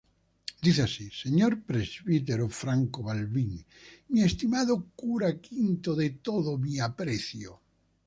Dice así: "Señor Presbítero Franco Balbín -Mi estimado Cura V de todo mi aprecio-.